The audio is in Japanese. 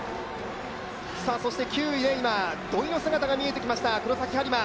そして９位で土井の姿が見えました、黒崎播磨。